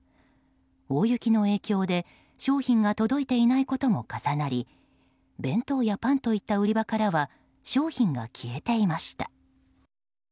大雪の影響で商品が届いていないことも重なり弁当やパンといった売り場からは商品が消えていました。